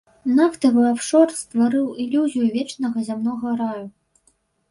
Нафтавы афшор стварыў ілюзію вечнага зямнога раю.